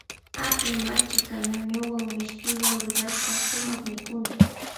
Akapi machka ñuñuwa mishkiwan rurashpa suma mikuna.